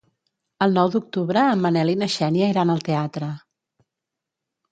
El nou d'octubre en Manel i na Xènia iran al teatre.